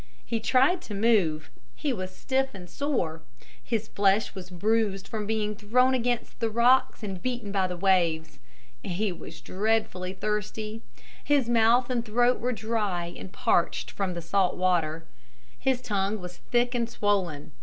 He tried to move. He was stiff and sore. His flesh was bruised from being thrown against the rocks and beaten by the waves. He was dreadfully thirsty. His mouth and throat were dry and parched from the salt water. His tongue was thick and swollen.